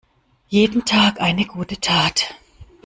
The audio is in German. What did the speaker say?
Jeden Tag eine gute Tat.